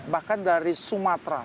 bahkan dari sumatera